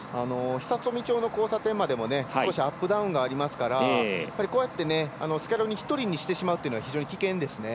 富久町の交差点でも少しアップダウンがありますからこうやって、スキャローニ１人にしてしまうのは非常に危険ですね。